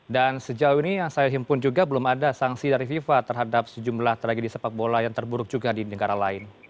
dan sejauh ini yang saya himpun juga belum ada sanksi dari fifa terhadap sejumlah tragedi sepak bola yang terburuk juga di negara lain